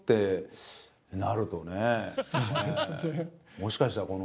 もしかしたらこの。